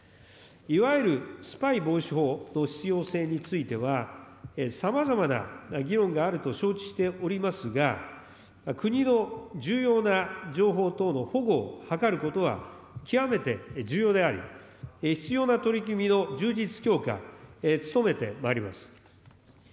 いわゆるスパイ防止法の必要性については、さまざまな議論があると承知しておりますが、国の重要な情報等の保護を図ることは極めて重要であり、必要な取り決めの充実強化に努めてまいります。